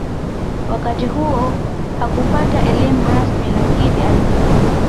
Wakati huo hakupata elimu rasmi lakini alijifunza